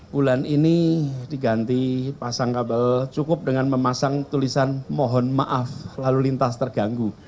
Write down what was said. bulan ini diganti pasang kabel cukup dengan memasang tulisan mohon maaf lalu lintas terganggu